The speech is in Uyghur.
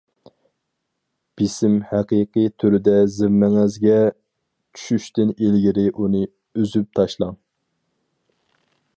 بېسىم ھەقىقىي تۈردە زىممىڭىزگە چۈشۈشتىن ئىلگىرى ئۇنى ئۈزۈپ تاشلاڭ.